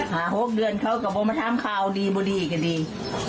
ห้าหกเดือนเขาก็บอกมาทำข้าวดีบ่ดีกันดี